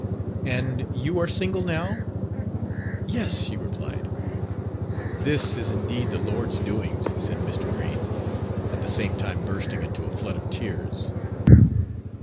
"And you are single now." "Yes," she replied. "This is indeed the Lord's doings," said Mr. Green, at the same time bursting into a flood of tears.